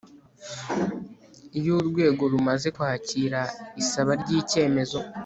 Iyo Urwego rumaze kwakira isaba ry icyemezo